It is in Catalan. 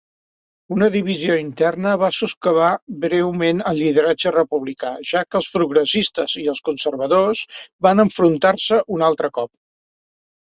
Una divisió interna va soscavar breument el lideratge republicà, ja que els progressistes i els conservadors van enfrontar-se un altre cop.